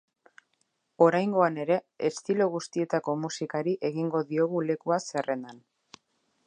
Oraingoan ere, estilo guztietako musikari egingo diogu lekua zerrendan.